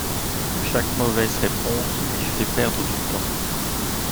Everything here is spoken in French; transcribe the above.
Chaque mauvaise réponse lui fait perdre du temps.